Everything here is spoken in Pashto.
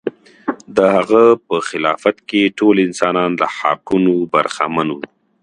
د هغه په خلافت کې ټول انسانان له حقونو برخمن و.